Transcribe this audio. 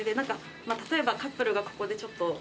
例えばカップルがここでちょっと。